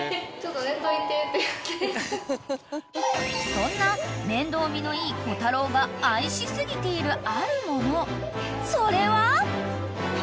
［そんな面倒見のいいこたろうが愛し過ぎているあるものそれは］